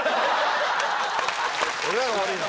俺らが悪いの？